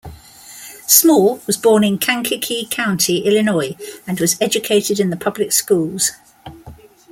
Small was born in Kankakee County, Illinois, and was educated in the public schools.